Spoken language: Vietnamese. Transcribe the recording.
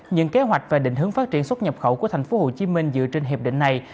những kế hoạch và định hướng phát triển xuất nhập khẩu của tp hcm dựa trên hiệp định này